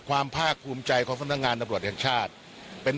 ภาคภูมิใจของสำนักงานตำรวจแห่งชาติเป็น